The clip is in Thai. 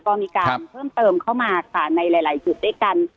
ก็มีการเพิ่มเติมเข้ามาค่ะในหลายจุดด้วยกัน